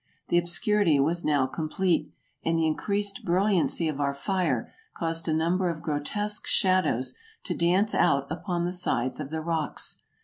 The obscurity was now complete, and the increased brilliancy of our fire caused a number of grotesque shadows to dance out upon the sides of the rocks.